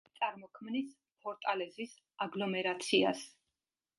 წარმოქმნის ფორტალეზის აგლომერაციას.